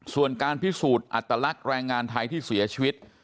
ส่วนการพิสูจน์อัตลักษณ์แรงงานไทยที่เสียชีวิต